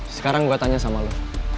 sekarang gua tanya sama lu